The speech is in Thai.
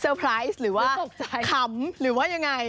ไพรส์หรือว่าขำหรือว่ายังไง